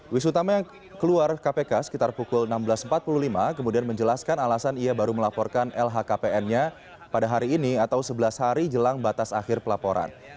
wisnu tama yang keluar kpk sekitar pukul enam belas empat puluh lima kemudian menjelaskan alasan ia baru melaporkan lhkpn nya pada hari ini atau sebelas hari jelang batas akhir pelaporan